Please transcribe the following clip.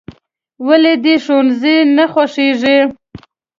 "ولې دې ښوونځی نه خوښېږي؟"